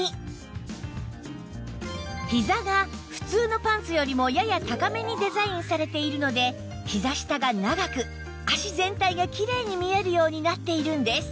ひざが普通のパンツよりもやや高めにデザインされているのでひざ下が長く脚全体がキレイに見えるようになっているんです